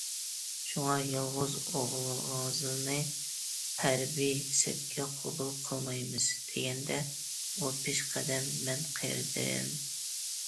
شۇڭا يالغۇز ئوغلىڭىزنى ھەربىي سەپكە قوبۇل قىلمايمىز.›› دېگەندە ئۇ پېشقەدەم‹‹ مەن قېرىدىم.